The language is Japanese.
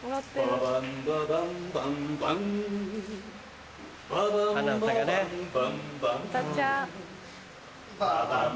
ババンババンバンバン